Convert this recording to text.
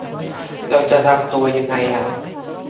เราจะทำตัวไงอะ